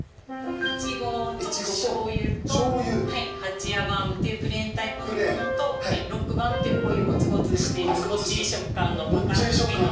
いちごとしょうゆとはちやバウムっていうプレーンタイプのものとろっくバウムっていうこういうゴツゴツしているもっちり食感のバター風味の。